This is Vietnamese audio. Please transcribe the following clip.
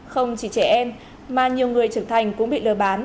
không chỉ trẻ em mà nhiều người trưởng thành cũng bị lừa bán